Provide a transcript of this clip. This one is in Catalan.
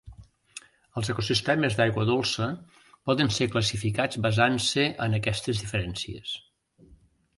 Els ecosistemes d'aigua dolça poden ser classificats basant-se en aquestes diferències.